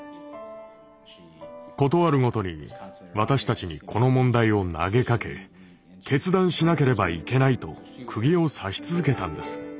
事あるごとに私たちにこの問題を投げかけ決断しなければいけないとくぎを刺し続けたんです。